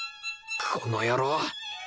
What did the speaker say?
この野郎！